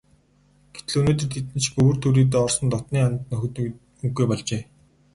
Гэтэл өнөөдөр тэдэн шиг өвөр түрийдээ орсон дотнын анд нөхөд үгүй болжээ.